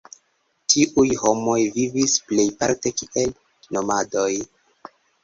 Tiuj homoj vivis plejparte kiel nomadoj.